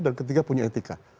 dan ketiga punya etika